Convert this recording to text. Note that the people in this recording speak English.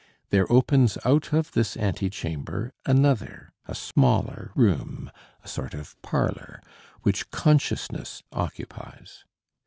There opens out of this ante chamber another, a smaller room, a sort of parlor, which consciousness occupies.